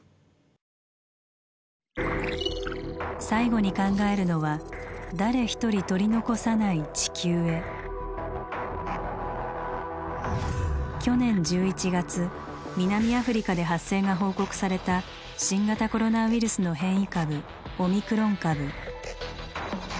最後に考えるのは去年１１月南アフリカで発生が報告された新型コロナウイルスの変異株「オミクロン株」。